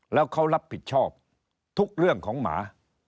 แล้วเขารับผิดชอบทุกเรื่องของหมา